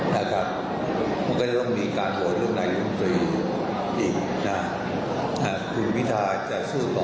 มันก็ยกมีการโหดเรื่องนายุนตรีอีกนะคุณวิทาจะสู้ต่อ